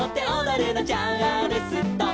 「チャールストン」